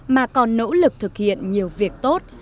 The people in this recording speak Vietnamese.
mà còn nỗ lực thực hiện nhiều việc tốt